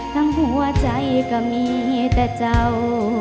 หัวใจก็มีแต่เจ้า